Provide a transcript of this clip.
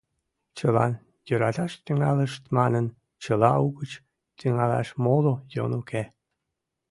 Чылан йӧраташ тӱҥалышт манын, чыла угыч тӱҥалаш моло йӧн уке.